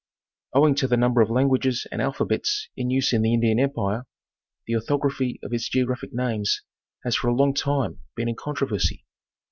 271 Owing to the number of languages and alphabets in use in the Indian empire, the orthography of its geographic names has for a long time been in controversy.